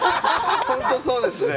本当にそうですね。